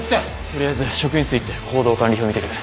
とりあえず職員室行って行動管理表見てくる。